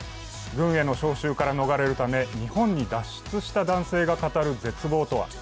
軍への徴収から逃れるため日本に脱出した男性が語る絶望とは。